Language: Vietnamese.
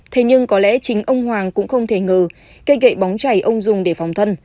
thế nhưng có lẽ chính ông hoàng cũng không thể ngờ cây gậy bóng chảy ông dùng để phòng thân